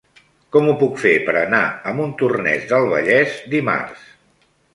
Com ho puc fer per anar a Montornès del Vallès dimarts?